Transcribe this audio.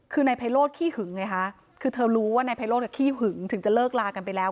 คือนายไพโรธขี้หึงไงคะคือเธอรู้ว่านายไพโรธขี้หึงถึงจะเลิกลากันไปแล้ว